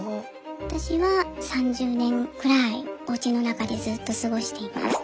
私は３０年ぐらいおうちの中でずっと過ごしていました。